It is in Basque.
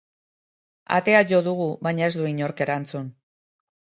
Atea jo dugu, baina ez du inork erantzun.